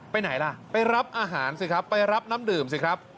ไปไหนล่ะไปรับอาหารสิครับไปรับน้ำดื่มสิครับ